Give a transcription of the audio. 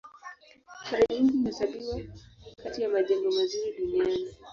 Mara nyingi huhesabiwa kati ya majengo mazuri duniani.